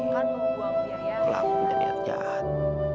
kelakunya lihat lihat jahat